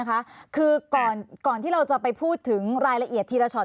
ก่อนที่เราจะไปพูดลองถึงลายละเอียดทีละเช็ท